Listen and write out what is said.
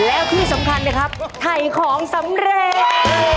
แล้วที่สำคัญนะครับถ่ายของสำเร็จ